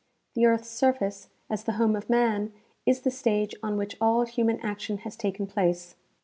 The earth's surface, as the home of man, is the stage on which all human action has taken place.